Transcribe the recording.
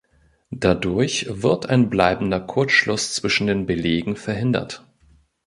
Dadurch wird ein bleibender Kurzschluss zwischen den Belägen verhindert.